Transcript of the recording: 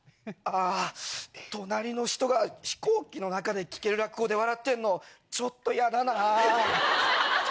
あ隣の人が飛行機の中で聞ける落語で笑ってんのちょっと嫌だなぁ。